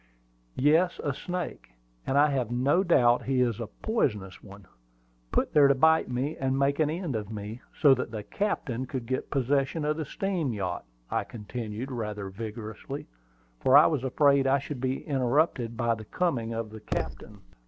"Yes, a snake; and I have no doubt he is a poisonous one, put there to bite me, and make an end of me, so that the captain could get possession of the steam yacht!" I continued, rather vigorously, for I was afraid I should be interrupted by the coming of the captain.